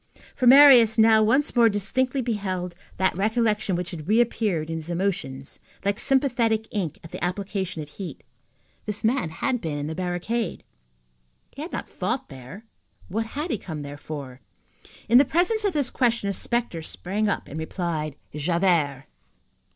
For Marius now once more distinctly beheld that recollection which had reappeared in his emotions like sympathetic ink at the application of heat. This man had been in the barricade. He had not fought there. What had he come there for? In the presence of this question a spectre sprang up and replied: "Javert."